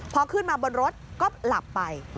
พอขึ้นมาบนรถก็หลับไป